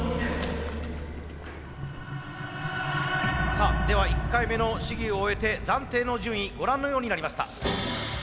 さあでは１回目の試技を終えて暫定の順位ご覧のようになりました。